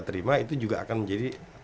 terima itu juga akan menjadi